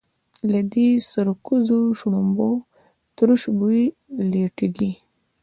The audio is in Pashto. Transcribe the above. له دې سرکوزو د شړومبو تروش بوی لټېږي.